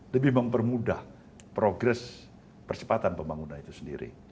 lebih mempermudah progres percepatan pembangunan itu sendiri